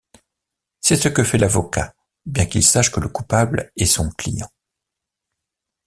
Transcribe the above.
C'est ce que fait l'avocat, bien qu'il sache que le coupable est son client.